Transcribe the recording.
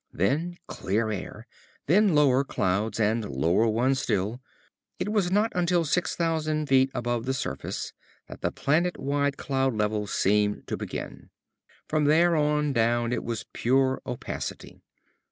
Then clear air, then lower clouds, and lower ones still. It was not until six thousand feet above the surface that the planet wide cloud level seemed to begin. From there on down it was pure opacity.